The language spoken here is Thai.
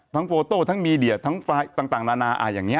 โฟโต้ทั้งมีเดียทั้งไฟล์ต่างนานาอย่างนี้